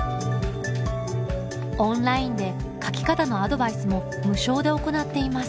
オンラインで描き方のアドバイスも無償で行っています